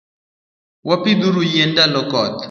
Wapidhuru yien ndalo koth.